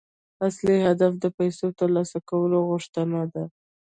اصلي هدف د پيسو ترلاسه کولو غوښتنه ده.